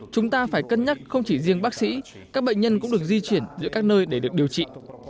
chúng ta phải cân nhắc không chỉ riêng bác sĩ các bệnh nhân cũng được di chuyển giữa các nơi để được điều trị